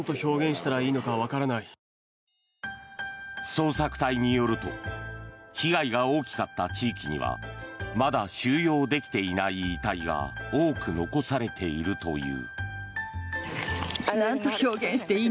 捜索隊によると被害が大きかった地域にはまだ収容できていない遺体が多く残されているという。